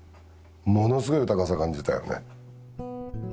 ものすごい豊かさ感じたよね。